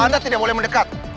anda tidak boleh mendekat